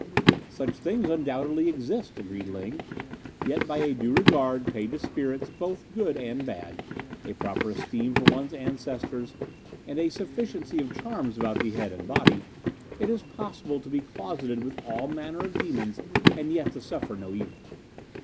"Such things undoubtedly exist," agreed Ling; "yet by a due regard paid to spirits, both good and bad, a proper esteem for one's ancestors, and a sufficiency of charms about the head and body, it is possible to be closeted with all manner of demons and yet to suffer no evil."